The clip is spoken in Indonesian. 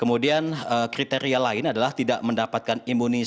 kemudian kriteria lain adalah tidak mendapatkan imunisasi